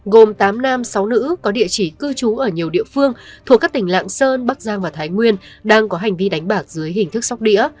gồm tám nam sáu nữ có địa chỉ cư trú ở nhiều địa phương thuộc các tỉnh lạng sơn bắc giang và thái nguyên đang có hành vi đánh bạc dưới hình thức sóc đĩa